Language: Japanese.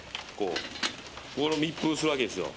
密封するわけですよ。